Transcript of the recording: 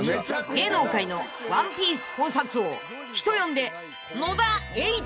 ［芸能界の『ワンピース』考察王人呼んで野田栄一郎が語る］